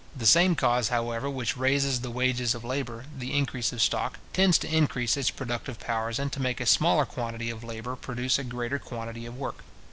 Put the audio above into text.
The same cause, however, which raises the wages of labour, the increase of stock, tends to increase its productive powers, and to make a smaller quantity of labour produce a greater quantity of work.